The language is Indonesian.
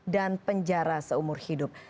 dan penjara seumur hidup